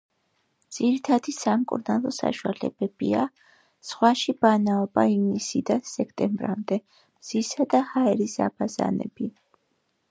ძირითადი სამკურნალო საშუალებებია: ზღვაში ბანაობა ივნისიდან სექტემბრამდე, მზისა და ჰაერის აბაზანები.